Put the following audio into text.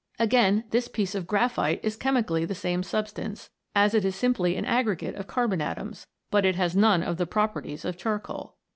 Again, this piece of graphite is chemically the same substance, as it is simply an aggregate of carbon atoms ; but it has none of the properties of charcoal.